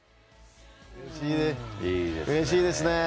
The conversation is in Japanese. うれしいですね。